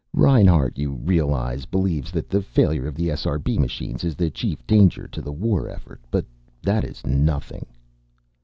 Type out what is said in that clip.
"Reinhart, you realize, believes that the failure of the SRB machines is the chief danger to the war effort. But that is nothing!"